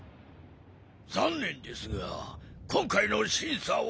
ざんねんですがこんかいのしんさは。